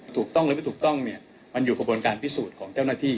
ถูกต้องหรือไม่ถูกต้องเนี่ยมันอยู่กระบวนการพิสูจน์ของเจ้าหน้าที่